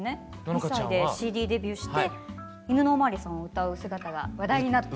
２歳でＣＤデビューして「いぬのおまわりさん」を歌う姿が話題になった。